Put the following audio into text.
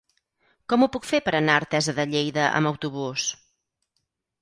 Com ho puc fer per anar a Artesa de Lleida amb autobús?